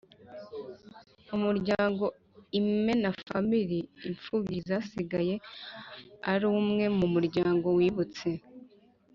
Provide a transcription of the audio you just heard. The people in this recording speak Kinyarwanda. Umuryango imena family imfubyi zasigaye ari umwe mu muryango wibutse